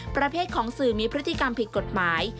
ประเภทของสื่อมีพฤติกรรมผิดกฎหมาย